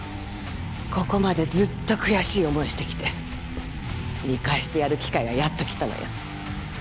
ここまでずっと悔しい思いしてきて見返してやる機会がやっと来たのよ